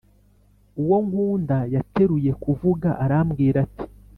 Uwo nkunda yateruye kuvuga, arambwira ati